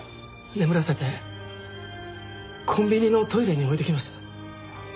眠らせてコンビニのトイレに置いてきました。